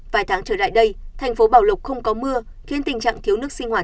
vài tháng trở lại đây thành phố bảo lộc không có mưa khiến tình trạng thiếu nước sinh hoạt